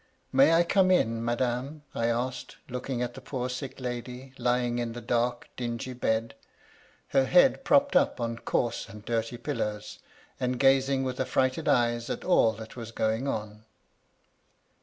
"*May I come in, madame?' I asked, looking at the poor sick lady, lying in the dark, dingy bed, her head propped up on coarse and dirty pillows, and gazing with aflrighted eyes at all that was going on.